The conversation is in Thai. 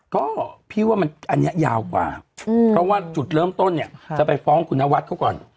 ก็พี่ว่ามันอันนี้ยาวกว่าเพราะว่าจุดเริ่มต้นเนี่ยจะไปฟ้องคุณนวัดเขาก่อน